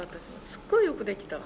すっごいよくできた。